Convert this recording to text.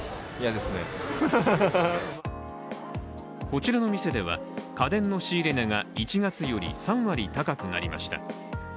こちらの店では、家電の仕入れ値が１月より３割高くなりました。